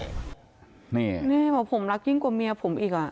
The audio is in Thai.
นี่หรือว่าผมรักยิ่งกว่าเมียผมเหลี่ยอ่ะ